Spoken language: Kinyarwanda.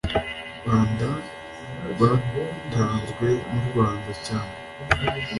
rwanda rwatanzwe n u rwanda cyangwa